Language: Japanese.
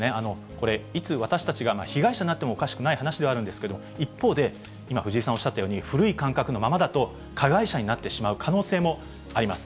これ、いつ私たちが被害者になってもおかしくないわけではあるんですけれども、一方で、今、藤井さんがおっしゃいましたけど、古い感覚のままだと、加害者になってしまう可能性もあります。